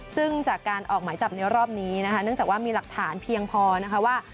ซึ่งจากการออกหมายจับในรอบนี้นะคะเนื่องจากว่ามีหลักฐานเพียงพอนะคะว่า